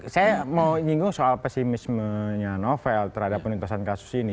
saya mau nyinggung soal pesimismenya novel terhadap penuntasan kasus ini